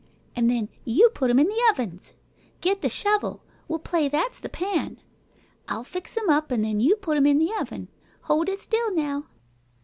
An' then you put 'em in the ovens. Get the shovel. We'll play that's the pan. I'll fix 'em, an' then you put 'em in the oven. Hold it still now."